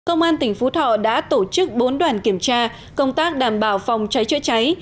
công an tỉnh phú thọ đã tổ chức bốn đoàn kiểm tra công tác đảm bảo phòng cháy chữa cháy